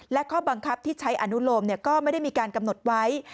และข้อบังคับที่ใช้อนุโลมก็ไม่ได้มีการกำหนดไว้